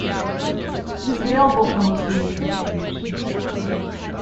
It is available for most Linux distributions.